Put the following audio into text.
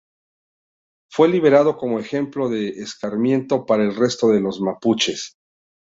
Fue liberado como ejemplo de escarmiento para el resto de los mapuches.